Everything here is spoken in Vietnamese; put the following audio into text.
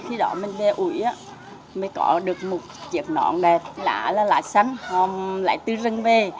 khi đó mình về ủi mới có được một chiếc nón đẹp lá là lá sắn họ lại tư rưng về